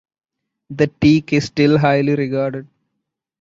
The teak is still highly regarded.